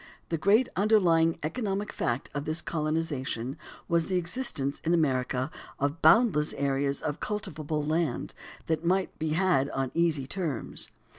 91): "The great underlying economic fact of this [eighteenth century] colonization was the existence in America of boundless areas of cultivable land that might be had on easy terms."